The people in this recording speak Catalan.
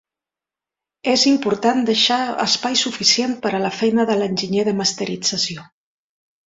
És important deixar espai suficient per a la feina de l'enginyer de masterització.